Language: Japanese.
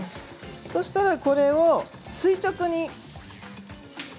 そうしたら、こちらを垂直に。